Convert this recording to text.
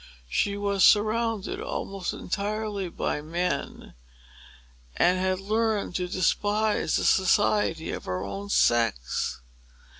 She was surrounded almost entirely by men; and had learned to despise the society of her own sex.